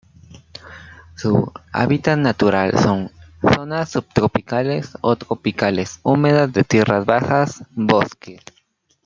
Su hábitat natural son: zonas subtropicales o tropicales húmedas de tierras bajas, bosques